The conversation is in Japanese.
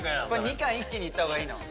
２貫一気にいった方がいいの？